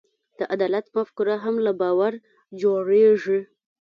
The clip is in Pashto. د عدالت مفکوره هم له باور جوړېږي.